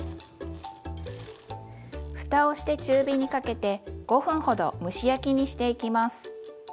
ふたをして中火にかけて５分ほど蒸し焼きにしていきます。